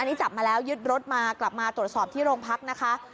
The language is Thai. นี่จับมาแล้วยึดรถมากลับมาตรวจสอบที่โรงพักนะคะ